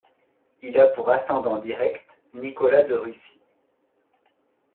Il a pour ascendant direct Nicolas de Russie.